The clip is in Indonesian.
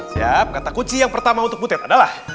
siap kata kunci yang pertama untuk butet adalah